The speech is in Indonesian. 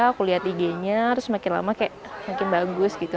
aku lihat ig nya terus makin lama kayak makin bagus gitu